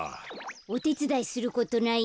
おてつだいすることない？